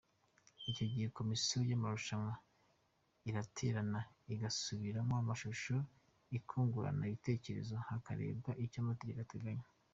Icyo gihe komisiyo y’amarushanwa iraterana igasubiramo amashusho, ikungurana ibitekerezo hakarebwa icyo amategeko ateganya.